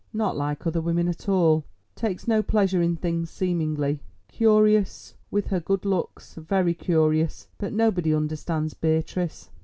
Not like other women at all, takes no pleasure in things seemingly; curious, with her good looks—very curious. But nobody understands Beatrice."